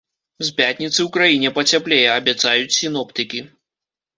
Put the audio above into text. З пятніцы ў краіне пацяплее, абяцаюць сіноптыкі.